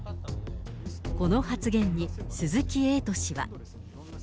この発言に鈴木エイト氏は。